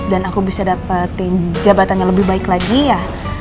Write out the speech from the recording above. dan aku bisa dapetin jabatannya lebih baik lagi ya